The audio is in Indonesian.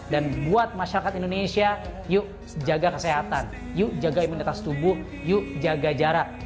buat masyarakat indonesia yuk jaga kesehatan yuk jaga imunitas tubuh yuk jaga jarak